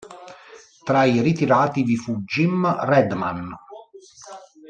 Tra i ritirati vi fu Jim Redman.